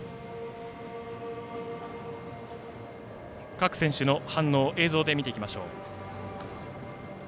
各選手の反応を映像で見ていきましょう。